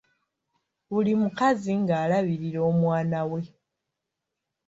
Buli mukazi ng'alabirira omwana we.